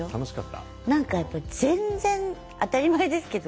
何かやっぱり全然当たり前ですけど